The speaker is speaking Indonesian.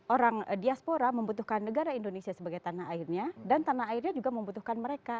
orang diaspora membutuhkan negara indonesia sebagai tanah airnya dan tanah airnya juga membutuhkan mereka